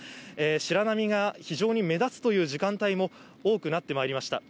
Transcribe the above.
白波が非常に目立つという時間帯も多くなってまいりました。